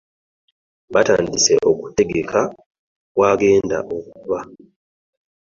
Batandise okutegeka w'agenda okuba.